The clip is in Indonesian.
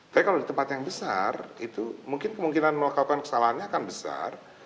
tapi kalau di tempat yang besar itu mungkin kemungkinan melakukan kesalahannya akan besar